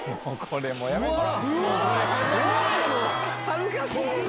恥ずかしい！